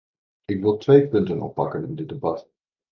Ik wil twee punten oppakken in dit debat.